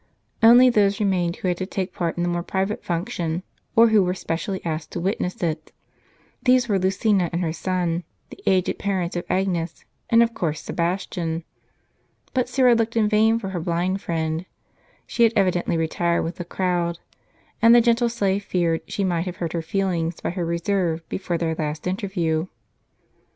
Only those remained who had to take part in the more private function, or who were spe cially asked to witness it. These were Lucina and her son, the aged parents of Agnes, and of course Sebastian. But Syra looked in vain for her blind friend ; she had evidently retired with the crowd ; and the gentle slave feared she might have hurt her feelings by her reserve, before their last inter view.